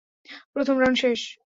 প্রথম রাউন্ড শেষ।